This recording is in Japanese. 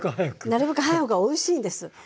なるべく早い方がおいしいんです。